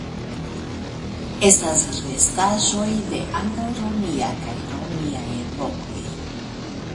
Estas restaĵoj de antaŭromia kaj romia epokoj.